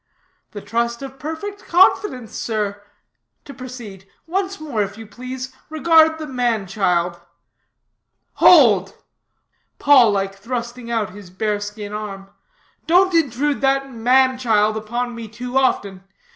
"The trust of perfect confidence, sir. To proceed. Once more, if you please, regard the man child." "Hold!" paw like thrusting put his bearskin arm, "don't intrude that man child upon me too often.